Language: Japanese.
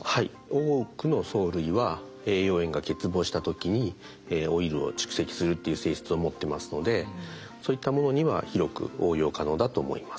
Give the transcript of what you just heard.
多くの藻類は栄養塩が欠乏した時にオイルを蓄積するっていう性質を持ってますのでそういったものには広く応用可能だと思います。